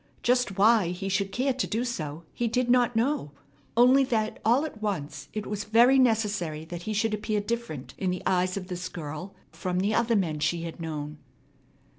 Just why he should care to do so he did not know, only that all at once it was very necessary that he should appear different in the eyes of this girl from, the other men she had known.